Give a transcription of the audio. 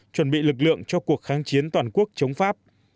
chuẩn bị lực lượng cho cuộc kháng chiến toàn quốc chống pháp